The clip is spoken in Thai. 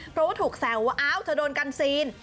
เพราะว่าถูกแซวว่าอ้าวเธอโดนกันซีน